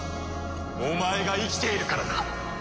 お前が生きているからだ！